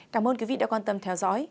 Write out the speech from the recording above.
cảm ơn quý vị đã quan tâm theo dõi